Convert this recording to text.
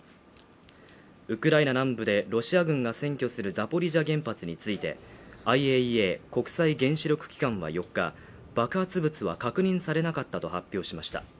ウクライナ南部でロシア軍が占拠するザポリージャ原発についてＩＡＥＡ国際原子力機関は４日爆発物は確認されなかったと発表しました